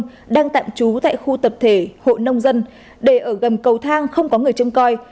hộ đang tạm trú tại khu tập thể hội nông dân để ở gầm cầu thang không có người châm coi